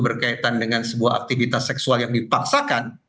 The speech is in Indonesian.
berkaitan dengan sebuah aktivitas seksual yang dipaksakan